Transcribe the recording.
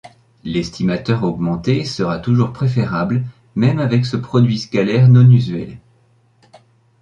L'estimateur augmenté sera toujours préférable même avec ce produit scalaire non usuel.